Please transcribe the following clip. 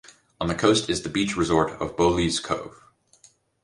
On the coast is the beach resort of Bowleaze Cove.